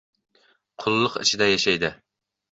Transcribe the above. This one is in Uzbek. qullik ichida yashaydi.